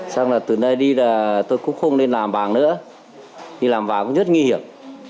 xong là từ nay đi là tôi cũng không nên làm vàng nữa đi làm vào cũng rất nguy hiểm